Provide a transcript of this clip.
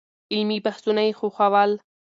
علمي بحثونه يې خوښول.